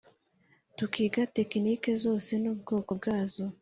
tukiga tekinike zose nubwoko bwazo